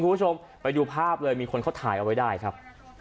คุณผู้ชมไปดูภาพเลยมีคนเขาถ่ายเอาไว้ได้ครับ